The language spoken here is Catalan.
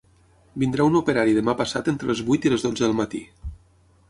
Vindrà un operari demà passat entre les vuit i les dotze del matí.